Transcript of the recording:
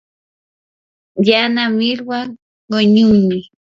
yana millwa quñunmi.